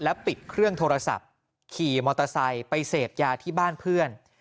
ปิดเครื่องโทรศัพท์ขี่มอเตอร์ไซค์ไปเสพยาที่บ้านเพื่อน